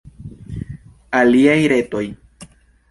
Aliaj retoj.